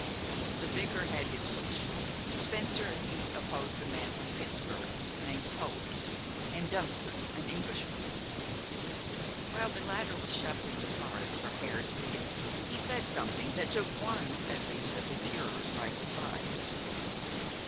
The vicar had his wish. Spencer and he opposed a man from Pittsburg, named Holt, and Dunston, an Englishman. While the latter was shuffling the cards for Hare's deal he said something that took one, at least, of his hearers by surprise.